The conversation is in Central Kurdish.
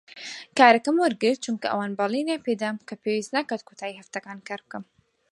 کارەکەم وەرگرت چونکە ئەوان بەڵێنیان پێ دام کە پێویست ناکات کۆتایی هەفتەکان کار بکەم.